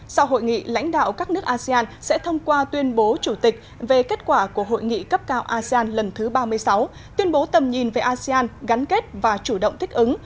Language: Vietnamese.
sau hội nghị lãnh đạo các nước asean sẽ thông qua tuyên bố chủ tịch về kết quả của hội nghị cấp cao asean lần thứ ba mươi sáu tuyên bố tầm nhìn về asean gắn kết và chủ động thích ứng